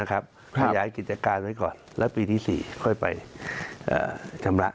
ขยายกิจการไว้ก่อนแล้วปีที่๔ค่อยไปชำระ